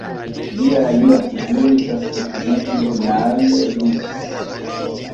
Lia alia figuro estas ekzemple Nalle Lufs.